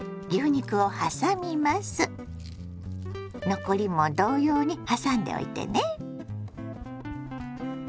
残りも同様にはさんでおいてね。